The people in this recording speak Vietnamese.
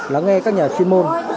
lắng nghe các nhà chuyên môn